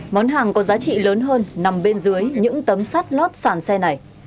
món hàng có giá trị lớn hơn nằm bên dưới những tấm sắt lót sàn xe này